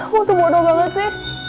waktu bodoh banget sih